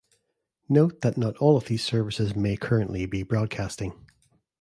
Note that not all of these services may currently be broadcasting.